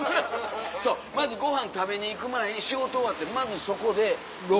そうまずご飯食べに行く前に仕事終わってまずそこで喉。